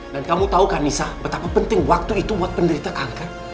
dan kamu tahu kan nisa betapa penting waktu itu buat penderita kanker